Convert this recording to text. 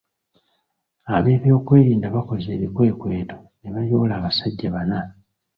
Ab’ebyokwerinda baakoze ebikwekweto ne bayoola abasajja bana.